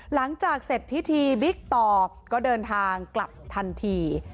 หลังจากเสร็จพิธีบิ๊กต่อก็เดินทางกลับทันที